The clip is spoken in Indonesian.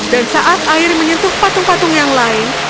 dan saat air menyentuh patung patung yang lain